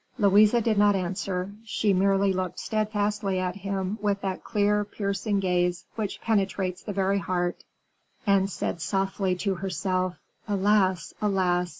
Louise did not answer, she merely looked steadfastly at him with that clear, piercing gaze which penetrates the very heart, and said softly to herself, "Alas! alas!